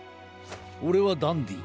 オレはダンディ。